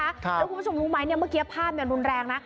แล้วคุณผู้ชมรู้ไหมเนี่ยเมื่อกี้ภาพรุนแรงนะ